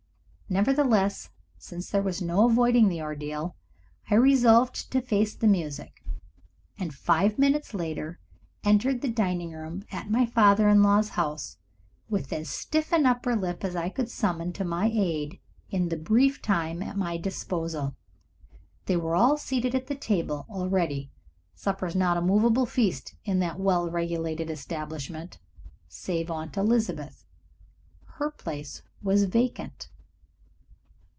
Nevertheless, since there was no avoiding the ordeal, I resolved to face the music, and five minutes later entered the dining room at my father in law's house with as stiff an upper lip as I could summon to my aid in the brief time at my disposal. They were all seated at the table already supper is not a movable feast in that well regulated establishment save Aunt Elizabeth. Her place was vacant.